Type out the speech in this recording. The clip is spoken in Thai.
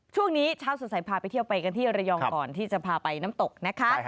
ช่วงนี้เช้าสดใสพาไปเที่ยวไปกันที่ระยองก่อนที่จะพาไปน้ำตกนะคะ